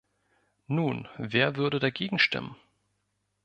Nun, wer würde dagegen stimmen?